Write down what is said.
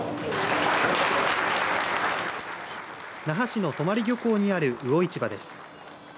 那覇市の泊漁港にある魚市場です。